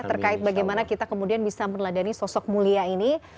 terkait bagaimana kita kemudian bisa meneladani sosok mulia ini